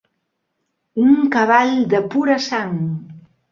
Un cavall de pura sang.